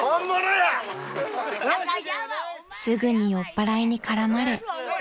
［すぐに酔っぱらいに絡まれ］